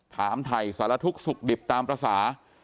ถามไทยสารทุกข์สุขดิบตามภาษา